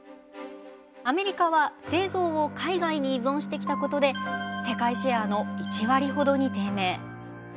アメリカは製造を海外に依存してきたことで世界シェアの１割ほどに低迷。